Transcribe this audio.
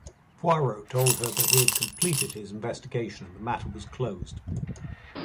Poirot told her that he had completed his investigation and the matter was closed.